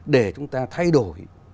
để chúng ta thay đổi